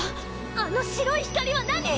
あの白い光は何！？